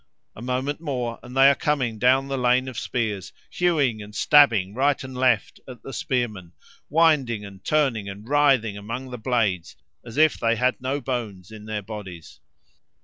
A moment more and they are coming down the lane of spears, hewing and stabbing right and left at the spearmen, winding and turning and writhing among the blades as if they had no bones in their bodies.